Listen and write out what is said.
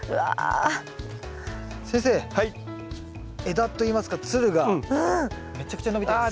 枝といいますかつるがめちゃくちゃ伸びてます。